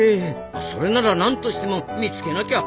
それならなんとしても見つけなきゃ。